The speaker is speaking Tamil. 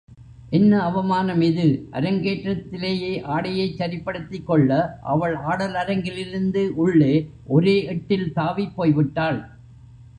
என்ன அவமானம் இது, அரங்கேற்றத்திலேயே ஆடையைச் சரிப்படுத்திக்கொள்ள அவள் ஆடரங்கிலிருந்து உள்ளே ஒரே எட்டில் தாவிப் போய்விட்டாள்.